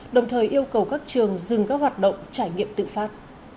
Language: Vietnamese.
đồng thời yêu cầu các trường dừng các hoạt động trải nghiệm tự phát